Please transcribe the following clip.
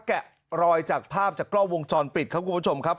แกะรอยจากภาพจากกล้องวงจรปิดครับคุณผู้ชมครับ